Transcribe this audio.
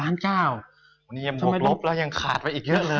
นี่ยังบกลบแล้วยังขาดไปอีกเยอะเลย